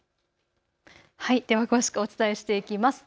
では詳しくお伝えしていきます。